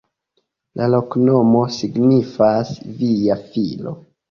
La loknomo signifas: via filo.